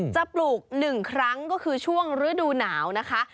ปลูก๑ครั้งก็คือช่วงฤดูหนาวนะคะ